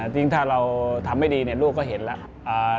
ยิ่งถ้าเราทำไม่ดีลูกก็เห็นแล้ว